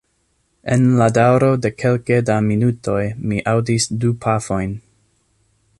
En la daŭro de kelke da minutoj mi aŭdis du pafojn.